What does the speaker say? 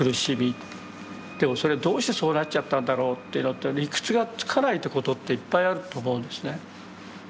でもそれどうしてそうなっちゃったんだろうという理屈がつかないってことっていっぱいあると思うんですね。